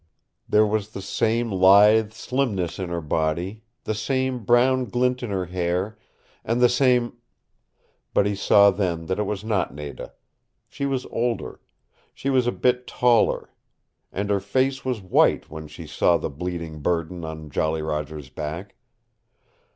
There was the same lithe slimness in her body, the same brown glint in her hair, and the same but he saw then that it was not Nada. She was older. She was a bit taller. And her face was white when she saw the bleeding burden on Jolly Roger's back.